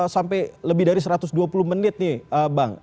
sampai lebih dari satu ratus dua puluh menit nih bang